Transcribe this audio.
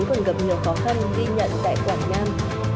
còn gặp nhiều khó khăn ghi nhận tại quảng nam